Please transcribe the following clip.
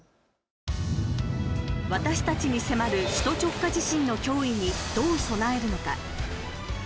私たちに迫る首都直下地震の脅威にどう備えるのか。